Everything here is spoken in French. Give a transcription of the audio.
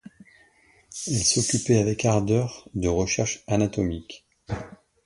Elle s’occupait avec ardeur de recherches anatomiques.